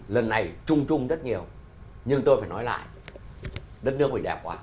lần này trung trung rất nhiều nhưng tôi phải nói lại đất nước mình đẹp quá